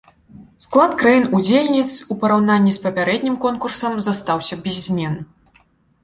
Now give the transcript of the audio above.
Склад краін-удзельніц у параўнанні з папярэднім конкурсам застаўся без змен.